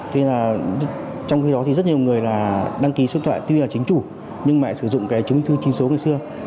trong khi đó thì rất nhiều người là đăng ký số điện thoại tuy là chính chủ nhưng mà sử dụng cái chứng thư chính số ngày xưa